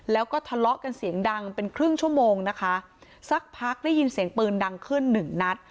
แล้วก็ทะเลาะกันเสียงดังเป็นครึ่งชั่วโมงนะคะสักพักได้ยินเสียงปืนดังขึ้นหนึ่งนัด